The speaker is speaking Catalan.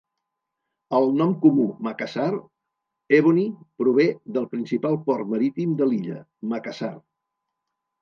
El nom comú Makassar ebony prové del principal port marítim de l'illa, Makassar.